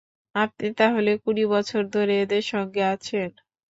আপনি তাহলে কুড়ি বছর ধরে এদের সঙ্গে আছেন?